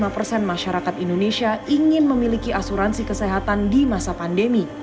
lima persen masyarakat indonesia ingin memiliki asuransi kesehatan di masa pandemi